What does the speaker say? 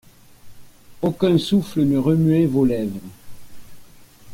Aucun souffle ne remuait vos lèvres.